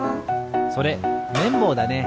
それめんぼうだね。